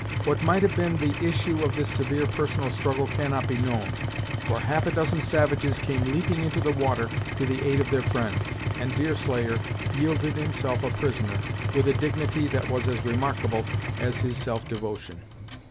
What might have been the issue of this severe personal struggle cannot be known, for half a dozen savages came leaping into the water to the aid of their friend, and Deerslayer yielded himself a prisoner, with a dignity that was as remarkable as his self devotion.